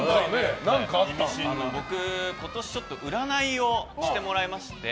僕、今年占いをしてもらいまして。